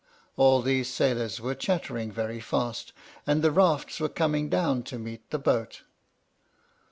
All these sailors were chattering very fast, and the rafts were coming down to meet the boat.